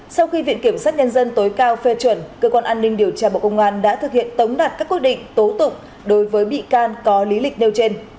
sau khi viện kiểm sát nhân dân tối cao phê chuẩn cơ quan an ninh điều tra bộ công an đã thực hiện tống đạt các quyết định tố tụng đối với bị can có lý lịch nêu trên